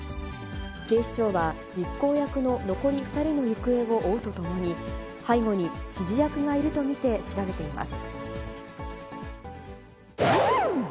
警視庁は、実行役の残り２人の行方を追うとともに、背後に指示役がいると見て、調べています。